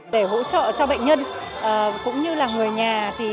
để hỗ trợ cho bệnh nhân cũng như là người nhà